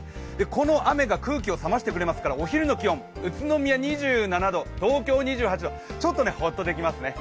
この雨が空気を冷ましてくれますからお昼の気温、宇都宮で２７度、東京２８度、ちょっとほっとできますね。